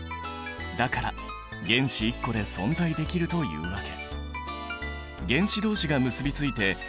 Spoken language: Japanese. だから原子１個で存在できるというわけ。